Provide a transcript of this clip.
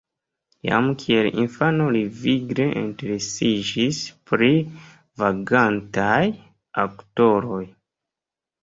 Jam kiel infano li vigle interesiĝis pri vagantaj aktoroj.